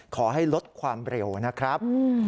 ขอให้ลดความเร็วนะครับ